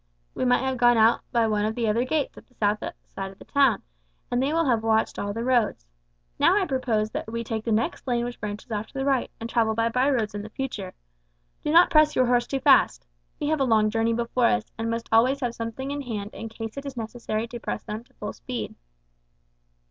We might have gone out by one of the other gates at the south side of the town, and they will have watched all the roads. Now I propose that we take the next lane which branches off to the right, and travel by byroads in future. Do not press your horse too fast. We have a long journey before us, and must always have something in hand in case it is necessary to press them to full speed."